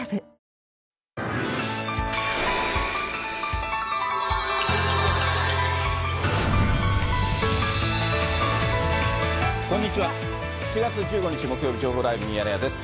７月１５日木曜日、情報ライブミヤネ屋です。